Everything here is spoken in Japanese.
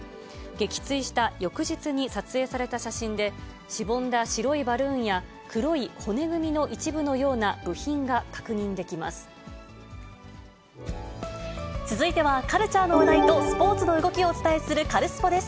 撃墜した翌日に撮影された写真で、しぼんだ白いバルーンや、黒い骨組みの一部のような部品が確認で続いては、カルチャーの話題とスポーツの動きをお伝えするカルスポっ！です。